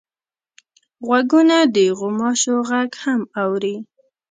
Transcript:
غوږونه د غوماشو غږ هم اوري